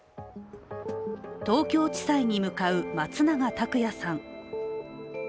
東京地裁に向かう松永拓也さん。